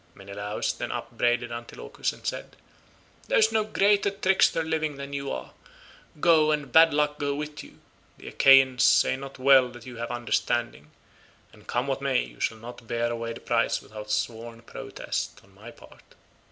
Menelaus then upbraided Antilochus and said, "There is no greater trickster living than you are; go, and bad luck go with you; the Achaeans say not well that you have understanding, and come what may you shall not bear away the prize without sworn protest on my part."